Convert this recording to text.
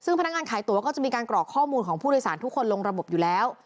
ซึ่งพนักงานขายตั๋วก็จะมีการกรอกข้อมูลของผู้โดยสารทุกคนลงระบบอยู่แล้ว